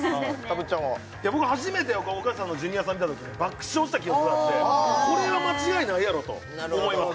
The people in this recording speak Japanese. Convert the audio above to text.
ぶっちゃんは僕初めて岡下さんのジュニアさん見たときに爆笑した記憶があってこれは間違いないやろと思います